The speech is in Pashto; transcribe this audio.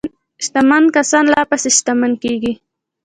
شتمن کسان لا پسې شتمن کیږي.